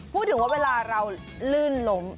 พูดถึงว่าเวลาเราลื่นล้ม